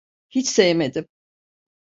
Hiç sevmedim.